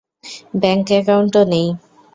Bank অ্যাকাউন্টও নেই।